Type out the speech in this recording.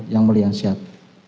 yang mulia siap